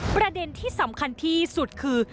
ประเด็นที่สำคัญที่สุดคือ